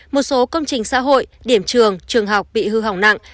một số công trình xã hội điểm trường trường học bị hư hỏng nặng